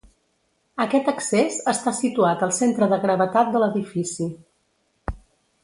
Aquest accés està situat al centre de gravetat de l'edifici.